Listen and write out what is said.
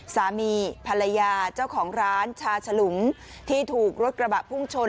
สามีภรรยาเจ้าของร้านชาฉลุงที่ถูกรถกระบะพุ่งชน